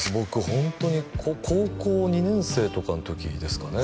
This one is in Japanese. ホントに高校２年生とかの時ですかね